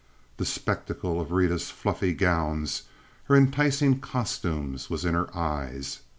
The spectacle of Rita's fluffy gowns, her enticing costumes, was in her eyes.